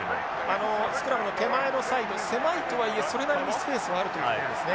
あのスクラムの手前のサイド狭いとはいえそれなりにスペースはあるということですね。